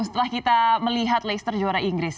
setelah kita melihat leicester juara inggris